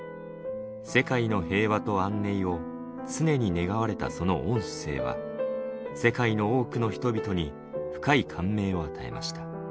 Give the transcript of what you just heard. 世界の平和と安寧を常に願われたその御姿勢は世界の多くの人々に深い感銘を与えました。